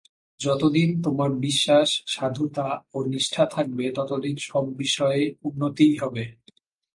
যতদিন তোমাদের বিশ্বাস, সাধুতা ও নিষ্ঠা থাকবে, ততদিন সব বিষয়ে উন্নতিই হবে।